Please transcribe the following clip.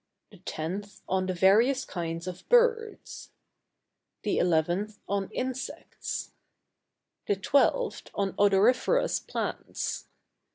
The 10th on the various kinds of Birds. The 11th on Insects. The 12th on Odoriferous Plants.